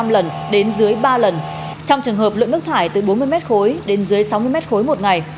một mươi lần đến dưới ba lần trong trường hợp lượng nước thải từ bốn mươi mét khối đến dưới sáu mươi mét khối một ngày